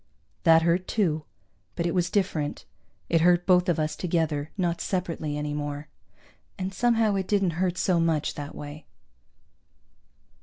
That hurt, too, but it was different. It hurt both of us together, not separately any more. And somehow it didn't hurt so much that way.